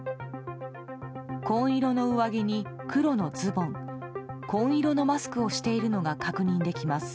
紺色の上着に黒のズボン紺色のマスクをしているのが確認できます。